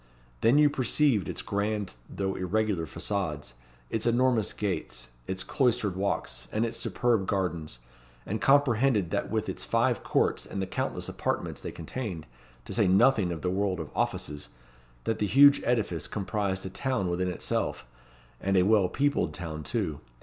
Then you perceived its grand though irregular facades, its enormous gates, its cloistered walks, and its superb gardens; and comprehended that with its five courts and the countless apartments they contained, to say nothing of the world of offices, that the huge edifice comprised a town within itself and a well peopled town too.